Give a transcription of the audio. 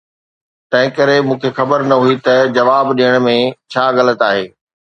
تنهنڪري مون کي خبر نه هئي ته جواب ڏيڻ ۾ ڇا غلط آهي؟